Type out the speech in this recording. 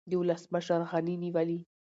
د ولسمشر غني نیولې